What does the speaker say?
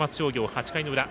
８回の裏。